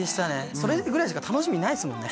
それぐらいしか楽しみないすもんね